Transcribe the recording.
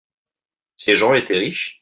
Ces gens étaient riches ?